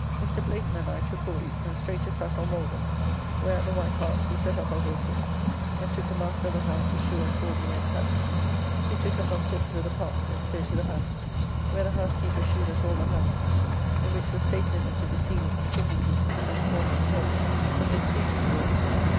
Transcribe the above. Mr. Blayton and I took horse and straight to Saffron Walden, where at the White Hart, we set up our horses, and took the master of the house to shew us Audley End House, who took us on foot through the park, and so to the house, where the housekeeper shewed us all the house, in which the stateliness of the ceilings, chimney pieces, and form of the whole was exceedingly worth seeing.